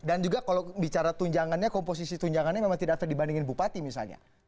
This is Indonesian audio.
dan juga kalau bicara tunjangannya komposisi tunjangannya memang tidak terdibandingin bupati misalnya